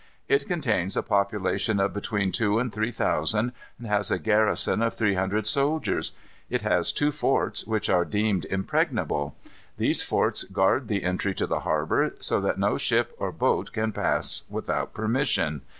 It contains a population of between two and three thousand, and has a garrison of three hundred soldiers. It has two forts, which are deemed impregnable. These forts guard the entry to the harbor, so that no ship or boat can pass without permission.